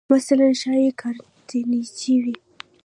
مثلاً ښایي کارتیجني وې